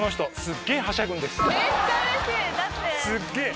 すっげぇ。